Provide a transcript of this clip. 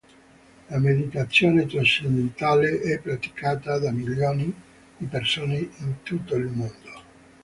La meditazione trascendentale è praticata da milioni di persone in tutto il mondo.